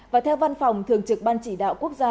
và theo văn phòng thường trực ban chỉ đạo quốc gia